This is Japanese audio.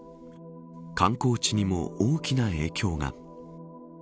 観光地にも大きな影響が。